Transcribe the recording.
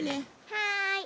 はい。